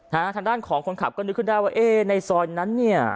ทางด้านของคนขับก็นึกขึ้นได้ว่าเอ๊ะในซอยนั้นเนี่ย